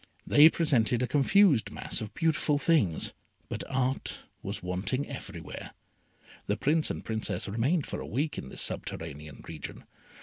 They presented a confused mass of beautiful things; but art was wanting everywhere. The Prince and Princess remained for a week in this subterranean region.